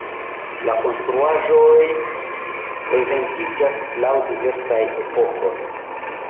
La konstruaĵoj prezentiĝas laŭ diversaj epokoj.